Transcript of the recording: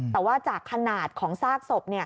แต่ว่าจากขนาดของซากศพ